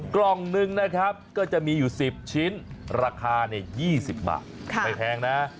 กล่องหนึ่งนะครับก็จะมีอยู่๑๐ชิ้นราคา๒๐บาทไม่แพงนะ